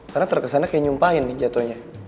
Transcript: karena terkesan kayak nyumpain nih jatohnya